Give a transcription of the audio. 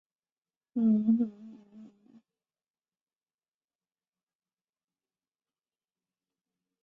大庆市第四中学。